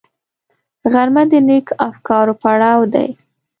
غرمه د نېکو افکارو پړاو دی